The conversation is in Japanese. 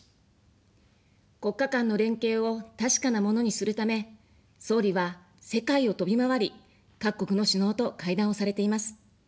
国家間の連携を確かなものにするため、総理は世界を飛び回り、各国の首脳と会談をされています。